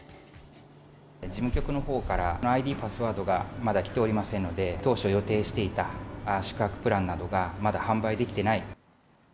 事務局のほうから、ＩＤとパスワードがまだ来ておりませんので、当初予定していた宿泊プランなどがまだ販売できてない。